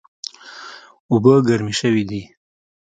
اوبه ګرمې شوې دي